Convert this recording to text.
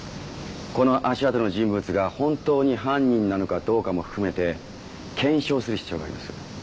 この足跡の人物が本当に犯人なのかどうかも含めて検証する必要があります。